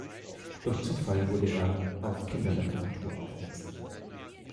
Durch Zufall wurde er auf Kinderliteratur aufmerksam.